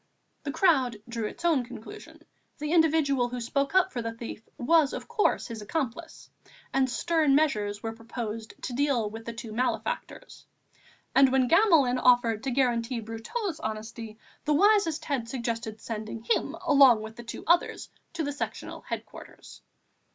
The crowd drew its own conclusion, the individual who spoke up for the thief was of course his accomplice, and stern measures were proposed to deal with the two malefactors, and when Gamelin offered to guarantee Brotteaux' honesty, the wisest heads suggested sending him along with the two others to the Sectional headquarters.